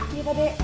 iya pak dek